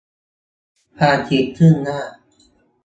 ความผิดซึ่งหน้า